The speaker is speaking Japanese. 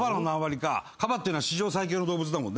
カバっていうのは史上最強の動物だもんね。